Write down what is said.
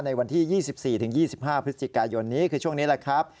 ในวันที่๒๔๒๕พฤศจิกายนนี้คือช่วงนี้แหละครับ